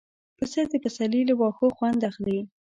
پسه د پسرلي له واښو خوند اخلي.